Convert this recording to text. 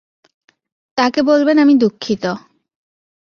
তাকে বলবেন আমি দুঃখিত।